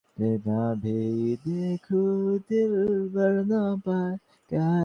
একটা বাচ্চা বিড়াল বলল, উঠে দাঁড়ালে কী হয় মা?